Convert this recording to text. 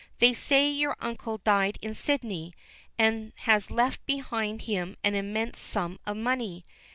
They say your uncle died in Sydney, and has left behind him an immense sum of money.